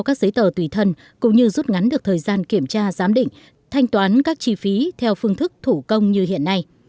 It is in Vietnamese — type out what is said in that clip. cũng như giúp ngắn được thời gian kiểm tra giám định thanh toán các chi phí theo phương thức thủ công như hiện nay